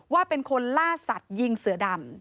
ว่าเป็นคนล่าสัตว์ยิงเสือดำ